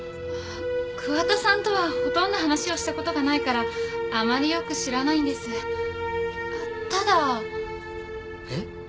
桑田さんとはほとんど話をしたことがないからあまりよく知らないんですただえっ？